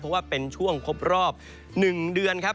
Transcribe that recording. เพราะว่าเป็นช่วงครบรอบ๑เดือนครับ